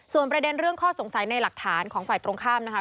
ส่วนประเด็นเรื่องข้อสงสัยในหลักฐานของฝ่ายตรงข้ามนะคะ